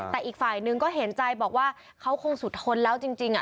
แต่อีกฝ่ายหนึ่งก็เห็นใจบอกว่าเขาคงสุดทนแล้วจริง